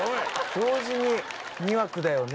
同時に「２枠だよね」